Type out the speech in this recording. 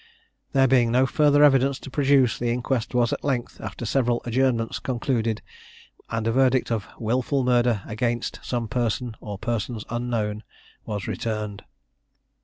There being no further evidence to produce, the inquest was at length, after several adjournments, concluded, and a verdict of "Wilful murder against some person or persons unknown," was returned.